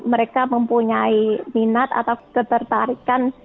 mereka mempunyai minat atau ketertarikan